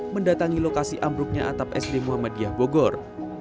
mendatangi lokasi ambruknya atap sd muhammadiyah bogor